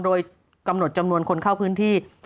โดยกำหนดจำนวนคนเข้าพื้นที่